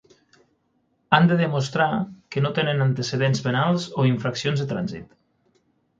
Han de demostrar que no tenen antecedents penals o infraccions de trànsit.